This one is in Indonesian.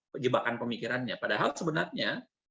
kejebakan pemikirannya padahal sebenarnya